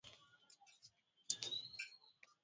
viazi lishe vina virutubisho lukuki kwa mwanadam